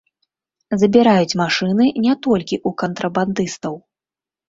Забіраюць машыны не толькі ў кантрабандыстаў.